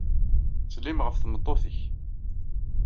Ttsellim ɣef tmeṭṭut-nnek.